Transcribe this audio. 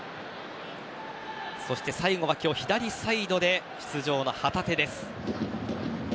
そして最後は今日、左サイドで出場の旗手。